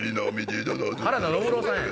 原田伸郎さんやん。